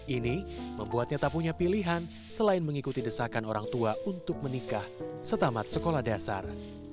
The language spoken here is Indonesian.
ini membuatnya tak punya pilihan selain mengikuti desakan orang tua untuk menikah setamat sekolah dasar